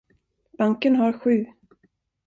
Banken har sju.